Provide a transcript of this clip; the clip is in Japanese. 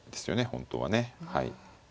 本当はね。